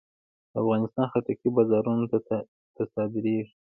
د افغانستان خټکی بازارونو ته صادرېږي.